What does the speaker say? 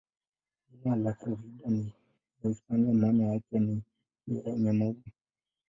Jina la Florida ni ya Kihispania, maana yake ni "yenye maua".